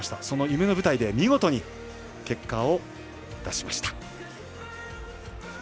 その夢の舞台で見事に、結果を出しました。